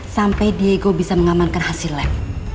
sampai diego bisa mengamankan hasil lab